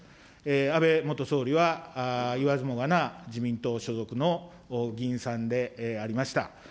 安倍元総理はいわずもがな、自民党所属の議員さんでありました。